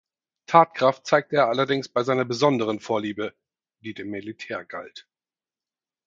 Tatkraft zeigte er allerdings bei seiner besonderen Vorliebe, die dem Militär galt.